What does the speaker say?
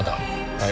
はい！